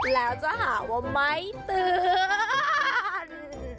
แล้วจะหาว่าไม่เตือน